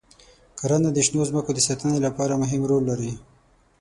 کرنه د شنو ځمکو د ساتنې لپاره مهم رول لري.